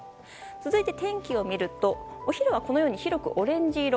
続いて、天気を見るとお昼はこのように広くオレンジ色。